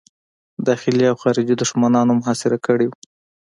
داخلي او خارجي دښمنانو محاصره کړی وو.